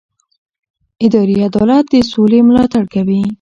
اداري عدالت د سولې ملاتړ کوي